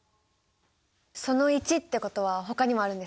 「その１」ってことはほかにもあるんですか？